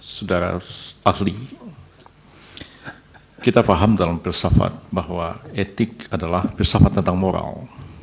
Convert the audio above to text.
saudara ahli kita paham dalam filsafat bahwa etik adalah filsafat tentang moral